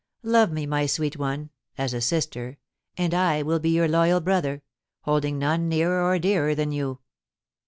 Love me, my sweet one, as a sister, and I will be your loyal brother, holding none nearer or dearer than you.'